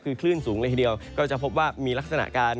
คือคลื่นสูงเลยทีเดียวก็จะพบว่ามีลักษณะการ